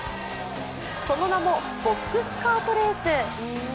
その名もボックス・カート・レース。